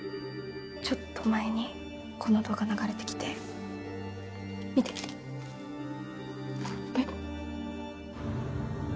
ちょっと前にこの動画流れてきて見てえっ？